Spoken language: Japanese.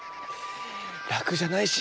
らくじゃないし。